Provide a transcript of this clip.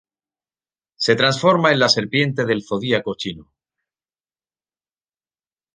Se transforma en la Serpiente del Zodíaco chino.